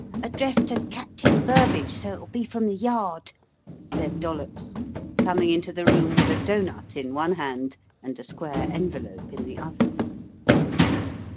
Addressed to 'Captain Burbage,' so it'll be from The Yard," said Dollops, coming into the room with a doughnut in one hand and a square envelope in the other.